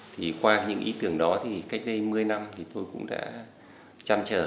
thì qua những ý tưởng đó thì cách đây một mươi năm thì tôi cũng đã trăn trở